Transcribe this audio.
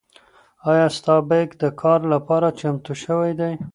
ایا ستا بیک د کار لپاره چمتو شوی دی؟